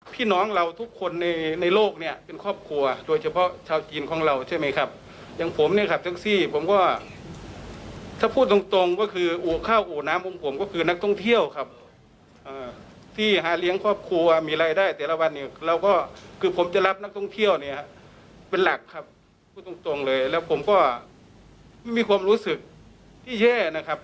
เป็นหลักครับพูดตรงเลยแล้วผมก็ไม่มีความรู้สึกที่แย่นะครับ